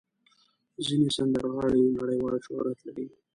ځینې سندرغاړي نړیوال شهرت لري.